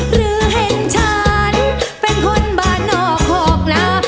หรือเห็นฉันเป็นคนบ้านนอกคอกลา